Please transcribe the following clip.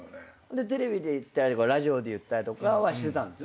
でテレビで言ったりラジオで言ったりとかはしてたんですね。